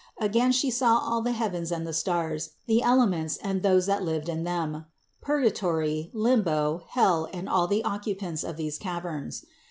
Again She saw all the heavens and the stars, the elements, and those that lived in them, purgatory, limbo, hell and all the occupants of these caverns.